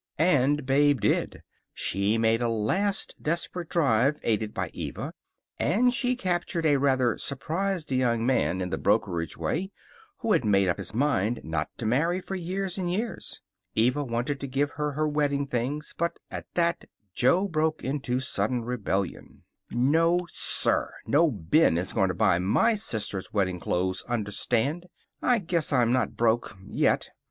And Babe did. She made a last desperate drive, aided by Eva, and she captured a rather surprised young man in the brokerage way, who had made up his mind not to marry for years and years. Eva wanted to give her her wedding things, but at that Jo broke into sudden rebellion. "No, sir! No Ben is going to buy my sister's wedding clothes, understand? I guess I'm not broke yet.